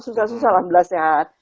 susah susah ambilah sehat